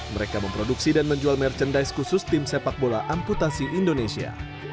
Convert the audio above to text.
mereka memproduksi dan menjual merchandise khusus tim sepak bola amputasi indonesia